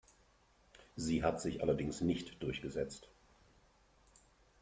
Sie hat sich allerdings nicht durchgesetzt.